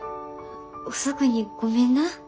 遅くにごめんな。